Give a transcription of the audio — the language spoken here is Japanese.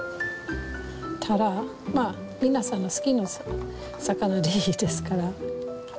まあ皆さんの好きな魚でいいですから。